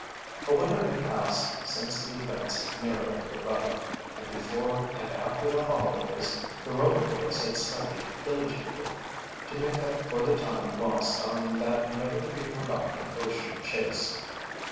A winter had passed since the events narrated above, and before and after the holidays the Rover boys had studied diligently, to make up for the time lost on that never to be forgotten ocean chase.